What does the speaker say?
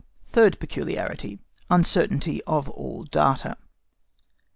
THIRD PECULIARITY.—UNCERTAINTY OF ALL DATA.